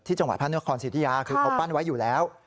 จังหวัดพระนครสิทธิยาคือเขาปั้นไว้อยู่แล้ว